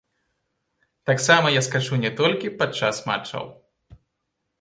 Таксама я скачу не толькі падчас матчаў.